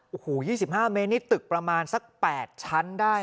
โอ้โห๒๕เมตรนี่ตึกประมาณสัก๘ชั้นได้